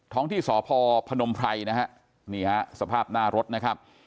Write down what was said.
ที่สพพนมไพรนะฮะนี่ฮะสภาพหน้ารถนะครับ